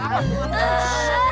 tarohuk perteng mirim